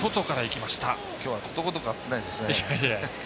きょうはことごとく合ってないですね。